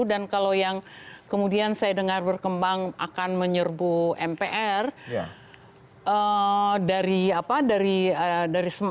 kalau yang kemudian saya dengar berkembang akan menyerbu mpr